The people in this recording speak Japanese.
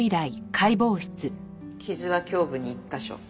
傷は胸部に１カ所。